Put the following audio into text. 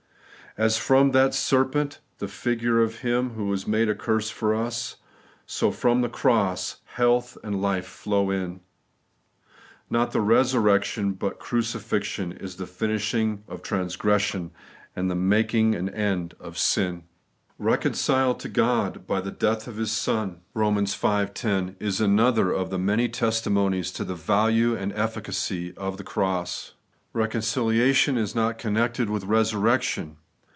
As from that serpent,— the figure of Him who was ' made a curse for us,' — so from the cross health and life flow in. Not resurrection, but cruciQxion, is the finishing of transgression and the making an end of sin. 'Eeconciled to God by the death of His Son' The Completeness of the Substitution, 39 (Eom. V. 10) is another of the many testimonies to the value and efficacy of the cross. Eeconciliation is not connected with resurrection.